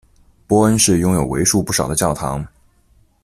波恩市拥有为数不少的教堂。